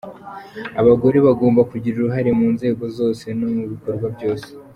Abagore bagomba kugira uruhare mu nzego zose no mu bikorwa byose.